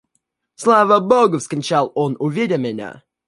«Слава богу! – вскричал он, увидя меня.